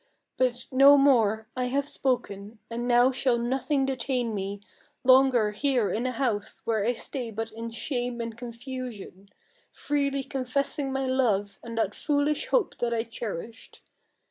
But no more; I have spoken; and now shall nothing detain me Longer here in a house where I stay but in shame and confusion, Freely confessing my love and that foolish hope that I cherished.